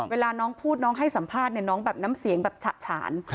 เวลาน้องพูดเตรียมสัมภาษณ์น้องน้ำเสียงจัดฉาน